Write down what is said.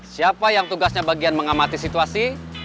siapa yang tugasnya bagian mengamati situasi